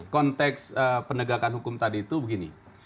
konteks penegakan hukum tadi itu begini